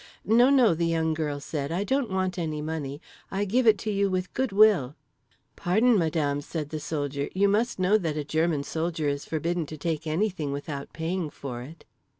'No, no,' the young girl said. 'I don't want any money. I give it to you with good will.'—'Pardon, madame,' said the soldier, 'you must know that a German soldier is forbidden to take anything without paying for it.